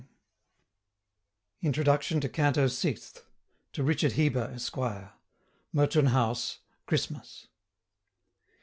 1035 INTRODUCTION TO CANTO SIXTH. TO RICHARD HEBER, ESQ. Mertoun House, Christmas.